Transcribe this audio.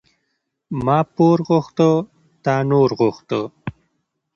ما پور غوښته، تا نور غوښته.